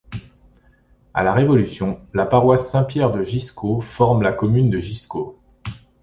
À la Révolution, la paroisse Saint-Pierre de Giscos forme la commune de Giscos.